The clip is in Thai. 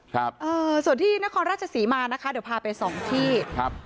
ครับเออส่วนที่นครราชศรีมานะคะเดี๋ยวพาไปสองที่ครับ